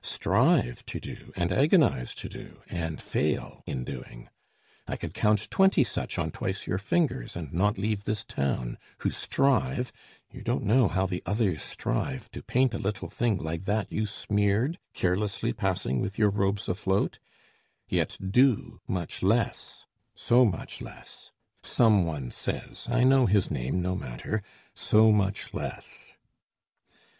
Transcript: strive to do, and agonize to do, And fail in doing. I could count twenty such On twice your fingers, and not leave this town, Who strive you don't know how the others strive To paint a little thing like that you smeared Carelessly passing with your robes afloat, Yet do much less, so much less, Some One says, (I know his name, no matter) so much less!